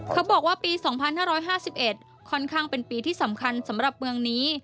เขาบอกว่าปี๒๕๕๑ค่อนข้างเป็นปีที่สำคัญสำหรับเมืองนี้